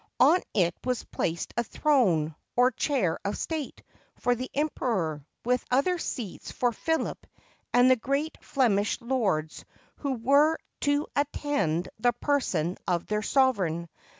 On it was placed a throne, or chair of state, for the Emperor, with other seats for Philip, and for the great Flemish lords who were to at tend the person of their sovereign.